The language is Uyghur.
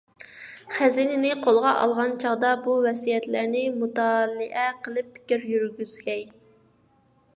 خەزىنىنى قولغا ئالغان چاغدا بۇ ۋەسىيەتلەرنى مۇتالىئە قىلىپ پىكىر يۈرگۈزگەي.